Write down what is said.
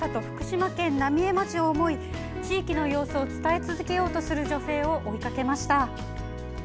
福島県浪江町を思い地域の様子を伝え続けようとする女性を追いかけました。